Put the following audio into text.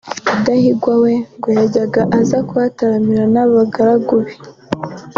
Rudahigwa we ngo yajyaga aza kuhataramira n’abagaragu be